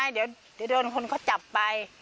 เดี๋ยวโดนคนเขาจับไป